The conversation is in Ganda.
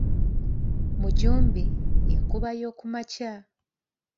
Mujumbi ye nkuba y’okumakya.